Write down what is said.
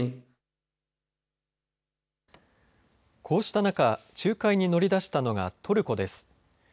こうした中、仲介に乗り出したのがトルコです。